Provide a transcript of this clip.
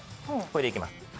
これでいきます。